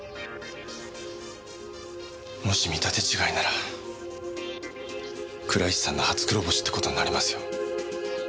もし見立て違いなら倉石さんの初黒星って事になりますよ。